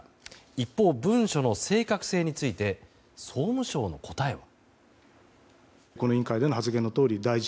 一方、文書の正確性について総務省の答えは。